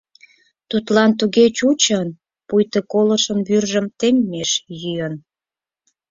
Тудлан туге чучын, пуйто колышын вӱржым теммеш йӱын.